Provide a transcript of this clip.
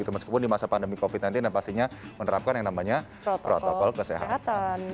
meskipun di masa pandemi covid sembilan belas dan pastinya menerapkan yang namanya protokol kesehatan